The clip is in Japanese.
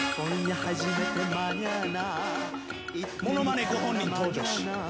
ものまねご本人登場史。